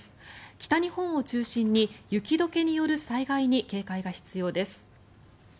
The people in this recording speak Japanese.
北日本を中心に雪解けによる災害に警戒が必要です。